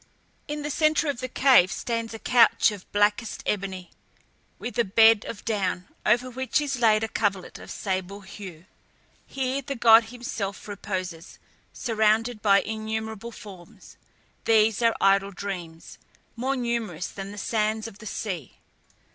In the centre of the cave stands a couch of blackest ebony, with a bed of down, over which is laid a coverlet of sable hue. Here the god himself reposes, surrounded by innumerable forms. These are idle dreams, more numerous than the sands of the sea.